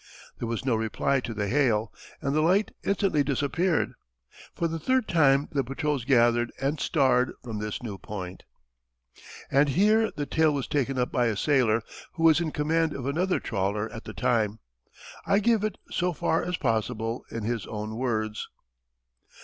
There was no reply to the hail, and the light instantly disappeared. For the third time the patrols gathered and "starred" from this new point. And here the tale was taken up by a sailor who was in command of another trawler at the time. I give it, so far as possible, in his own words.